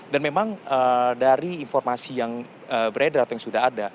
dan memang dari informasi yang beredar atau yang sudah ada